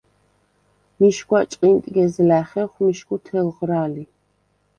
მიშგვა ჭყინტგეზლა̈ ხეხვ მიშგუ თელღრა ლი.